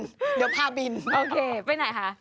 เดี๋ยวพาบินโอเคไปไหนคะ